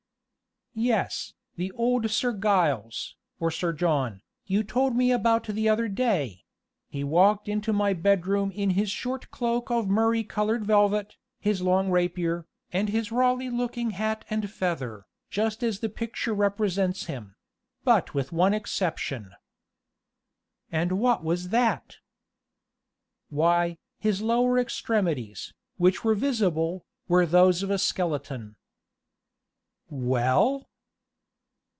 "Yes, the old Sir Giles, or Sir John, you told me about the other day: he walked into my bedroom in his short cloak of murrey colored velvet, his long rapier, and his Raleigh looking hat and feather, just as the picture represents him; but with one exception." "And what was that?" "Why, his lower extremities, which were visible, were those of a skeleton." "Well?"